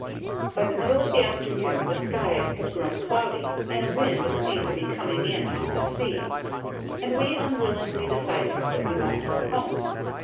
By the middle of the afternoon the sky had grown cloudy, and a wind seemed to be coming in off the sea, and we unwillingly decided that we must go home.